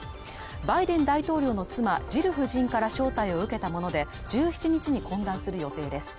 バイデン大統領の妻ジル夫人から招待を受けたもので、１７日に懇談する予定です。